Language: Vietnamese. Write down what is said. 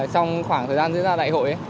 trong khoảng thời gian diễn ra đại hội